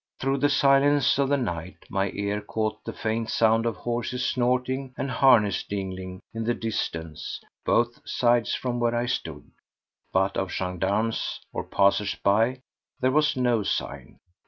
Through the silence of the night my ear caught the faint sound of horses snorting and harness jingling in the distance, both sides from where I stood; but of gendarmes or passers by there was no sign.